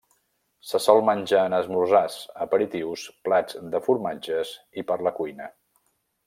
Se sol menjar en esmorzars, aperitius, plats de formatges i per a la cuina.